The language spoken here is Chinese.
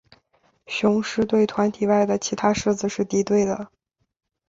雌狮对团体外的其他狮子是敌对的。